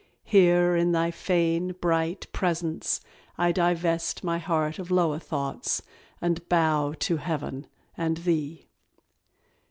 Here, in thy fane, bright Presence, I divest My heart of lower thoughts, and bow to heaven and thee.